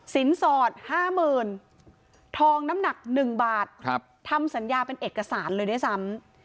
สอด๕๐๐๐ทองน้ำหนัก๑บาททำสัญญาเป็นเอกสารเลยด้วยซ้ำ